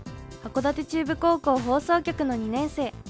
函館中部高校放送局の２年生。